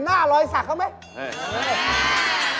หน้าลอยศักดิ์เข้าไหม